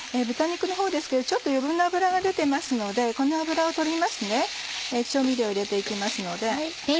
豚肉のほうですけどちょっと余分な脂が出てますのでこの脂を取ります調味料を入れて行きますので。